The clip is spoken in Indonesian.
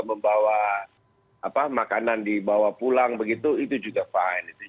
membawa apa apa yang bisa kita buat untuk menjaga keselamatan bersama untuk menjaga keselamatan bersama